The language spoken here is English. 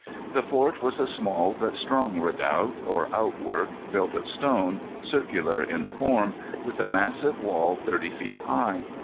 The fort was a small but strong redoubt, or outwork, built of stone, circular in form, with a massive wall thirty feet high.